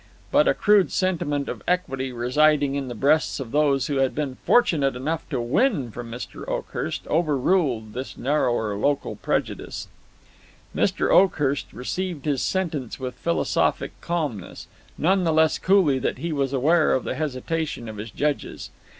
But a crude sentiment of equity residing in the breasts of those who had been fortunate enough to win from Mr. Oakhurst overruled this narrower local prejudice. Mr. Oakhurst received his sentence with philosophic calmness, none the less coolly that he was aware of the hesitation of his judges.